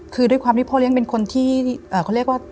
คือด้วยความที่พ่อเลี้ยงเป็นคนที่เขาเรียกว่า